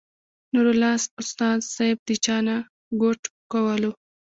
نور الله استاذ صېب د چاے نه ګوټ کولو